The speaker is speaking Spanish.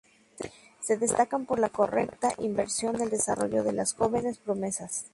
Se destacan por la correcta inversión del desarrollo de las jóvenes promesas.